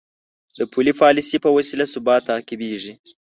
د پولي پالیسۍ په وسیله ثبات تعقیبېږي.